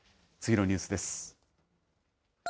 次のニュースです。